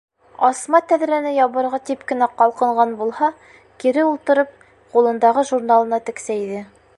Асма тәҙрәне ябырға тип кенә ҡалҡынған булһа, кире ултырып, ҡулындағы журналына тексәйҙе.